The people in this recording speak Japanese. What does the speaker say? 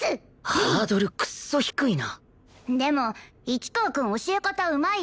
ハードルクッソ低いなでも市川くん教え方うまいよね。